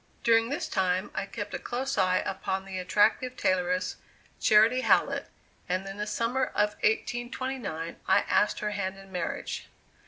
During this time I kept a close eye upon the attractive tailoress, Charity Hallett, and in the summer of 1829 I asked her hand in marriage.